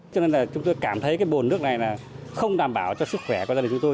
cho nên là chúng tôi cảm thấy cái bồn nước này là không đảm bảo cho sức khỏe của gia đình chúng tôi